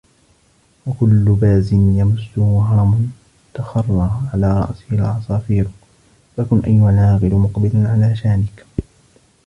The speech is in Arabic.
وَكُلُّ بَازٍ يَمَسُّهُ هَرَمٌ تَخَرَّا عَلَى رَأْسِهِ الْعَصَافِيرُ فَكُنْ أَيُّهَا الْعَاقِلُ مُقْبِلًا عَلَى شَانِكَ